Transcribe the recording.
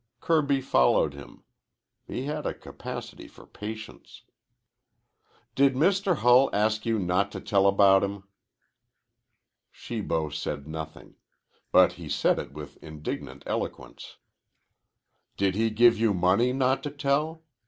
Kirby followed him. He had a capacity for patience. "Did Mr. Hull ask you not to tell about him?" Shibo said nothing, but he said it with indignant eloquence. "Did he give you money not to tell?